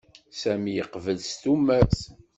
Sami yeqbel s tumert.